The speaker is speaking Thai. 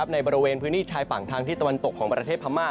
ในบริเวณพื้นที่ชายฝั่งทางที่ตะวันตกของประเทศพม่า